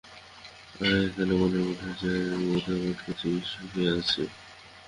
আমি একলা বনের মধ্যে যাই, আমার গীতাখানি পাঠ করি এবং বেশ সুখেই আছি।